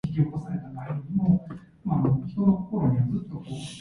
Torrey was born in Connecticut.